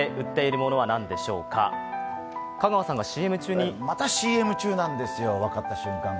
香川さんがＣＭ中にまたＣＭ中なんですよ、分かった瞬間が。